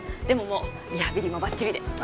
でももうリハビリもばっちりで。